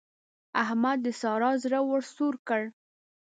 احمد د سارا زړه ور سوړ کړ.